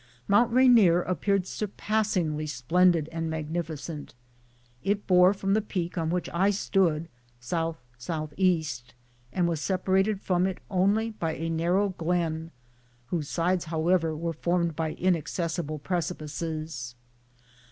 Mt. Rainier appeared surpassingly splendid and magnificent ; it bore, from the peak on which I stood, S. S. E., and was separated from it only by a narrow glen, whose sides, however, were formed by inaccessible precipices.